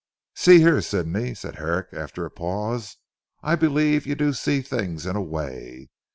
"See here Sydney," said Herrick after a pause, "I believe you do see things in a way.